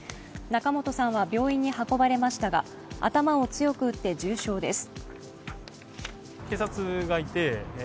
仲本さんは病院に運ばれましたが、頭を強く打って重傷です。